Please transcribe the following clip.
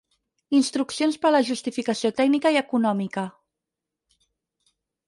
Instruccions per a la justificació tècnica i econòmica.